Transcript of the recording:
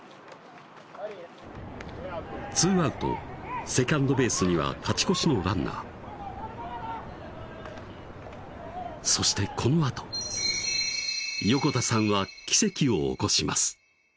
２アウトセカンドベースには勝ち越しのランナーそしてこのあと横田さんは奇跡を起こします